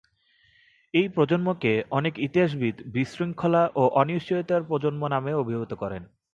এই প্রজন্মকে অনেক ইতিহাসবিদ বিশৃঙ্খলা ও অনিশ্চয়তার প্রজন্ম নামেও অভিহিত করেন।